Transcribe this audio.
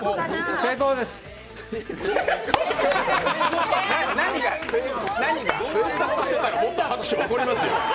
成功してたら、もっと拍手起こりますよ。